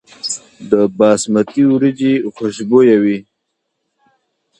د باسمتي وریجې خوشبويه وي.